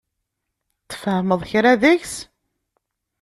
Tfehmeḍ kra deg-s?